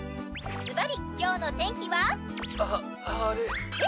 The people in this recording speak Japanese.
すばりきょうの天気は？ははれ。え？